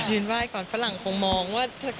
หยุดมือไหว้ก่อนฝรั่งคงมองว่าคนนี้ทำอะไร